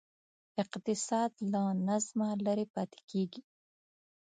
اقتصاد له نظمه لرې پاتې کېږي.